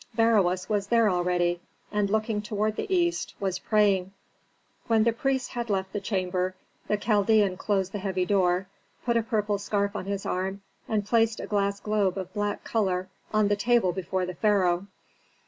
Beroes was there already, and, looking toward the east, was praying. When the priests had left the chamber the Chaldean closed the heavy door, put a purple scarf on his arm and placed a glass globe of black color on the table before the pharaoh.